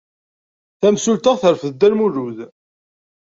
Tamsulta terfed Dda Lmulud.